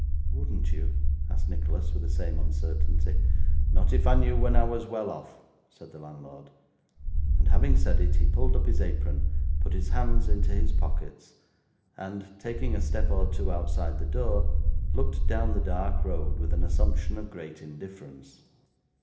'Wouldn't you?' asked Nicholas, with the same uncertainty. 'Not if I knew when I was well off,' said the landlord. And having said it he pulled up his apron, put his hands into his pockets, and, taking a step or two outside the door, looked down the dark road with an assumption of great indifference.